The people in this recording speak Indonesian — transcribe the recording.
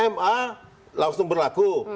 ma langsung berlaku